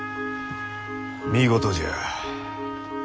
見事じゃ。